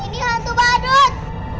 ini hantu badut